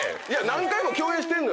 何回も共演してんの。